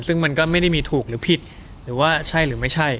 ซึ่งมันก็ไม่ได้มีถูกหรือผิดหรือว่าใช่หรือไม่ใช่